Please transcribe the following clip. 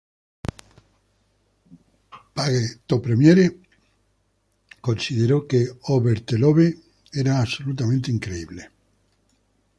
Page to Premiere consideró que "Over the Love" era "absolutamente increíble".